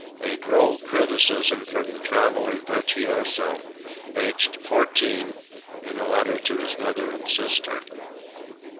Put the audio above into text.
A droll criticism from the traveling virtuoso, aged 14, in a letter to his mother and sister.)